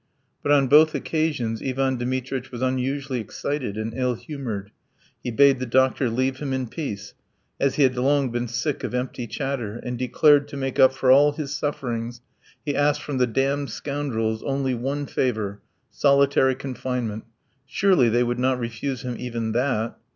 But on both occasions Ivan Dmitritch was unusually excited and ill humoured; he bade the doctor leave him in peace, as he had long been sick of empty chatter, and declared, to make up for all his sufferings, he asked from the damned scoundrels only one favour solitary confinement. Surely they would not refuse him even that?